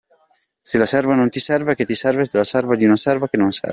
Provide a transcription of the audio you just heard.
Se la serva non ti serve, a che serve che ti serva di una serva che non serve?